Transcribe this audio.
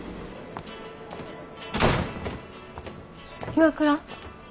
岩倉？